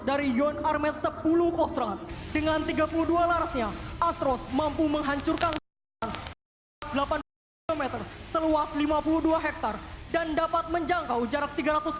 dalam pelaksanaan tembakan terhadap musuh